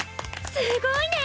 すごいね。